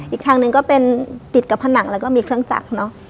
อีกทางหนึ่งก็เป็นติดกับผนังแล้วก็มีเครื่องจักรเนอะ